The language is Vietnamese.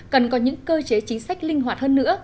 cần có những cơ chế chính sách linh hoạt hơn nữa